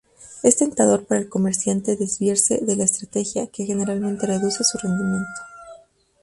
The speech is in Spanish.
Es tentador para el comerciante desviarse de la estrategia, que generalmente reduce su rendimiento.